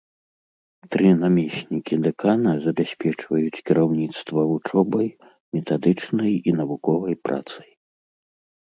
Тры намеснікі дэкана забяспечваюць кіраўніцтва вучобай, метадычнай і навуковай працай.